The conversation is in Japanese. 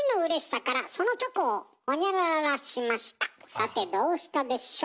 さあどうしたでしょう。